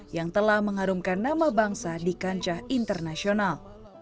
yang telah mengharumkan nama bangsa di kancah internasional